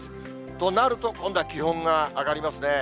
となると、今度は気温が上がりますね。